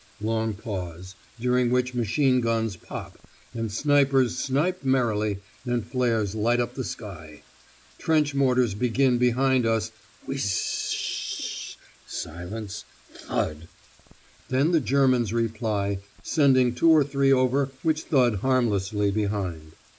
Long pause, during which machine guns pop, and snipers snipe merrily, and flares light up the sky. Trench mortars begin behind us 'whizz sh sh sh h h' silence 'THUD.' Then the Germans reply, sending two or three over which thud harmlessly behind.